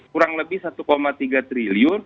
kurang lebih satu tiga triliun